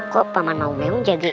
kok paman mau jadi